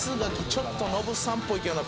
ちょっとノブさんぽいけど